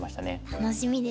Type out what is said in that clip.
楽しみですね。